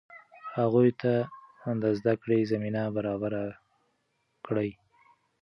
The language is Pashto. هغوی ته د زده کړې زمینه برابره کړئ.